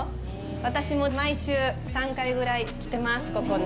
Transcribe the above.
私も毎週３回ぐらい来てます、ここに。